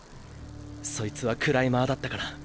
そいつはクライマーだったから。